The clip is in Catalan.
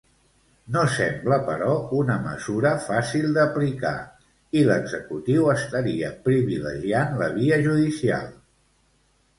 No sembla, però, una mesura fàcil d'aplicar i l'executiu estaria privilegiant la via judicial.